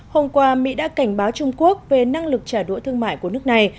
hôm qua mỹ đã cảnh báo trung quốc về năng lực trả đũa thương mại của nước này